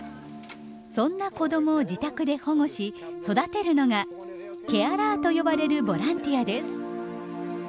そんな子どもを自宅で保護し育てるのが「ケアラー」と呼ばれるボランティアです。